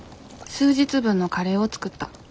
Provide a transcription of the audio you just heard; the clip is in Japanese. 数日分のカレーを作った。